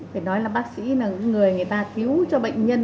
phải nói là bác sĩ là người người ta cứu cho bệnh nhân